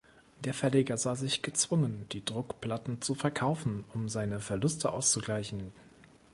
Der Verleger sah sich gezwungen, die Druckplatten zu verkaufen, um seine Verluste auszugleichen.